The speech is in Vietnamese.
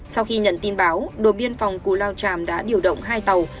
sau khi nhận tin báo đồn biên phòng cù lao tràm đã điều động hai tàu